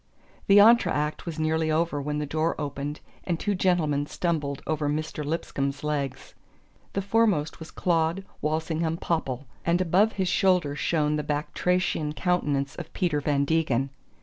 The entr'acte was nearly over when the door opened and two gentlemen stumbled over Mr. Lipscomb's legs. The foremost was Claud Walsingham Popple; and above his shoulder shone the batrachian countenance of Peter Van Degen.